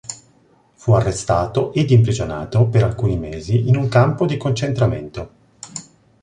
Fu arrestato ed imprigionato per alcuni mesi in un campo di concentramento.